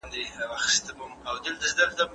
آيا د ټولني او ليکوال تر منځ فکري واټن سته؟